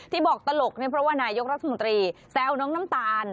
บอกตลกเนี่ยเพราะว่านายกรัฐมนตรีแซวน้องน้ำตาล